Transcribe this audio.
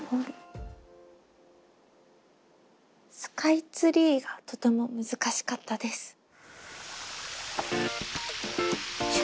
「スカイツリー」がとても難しかったです。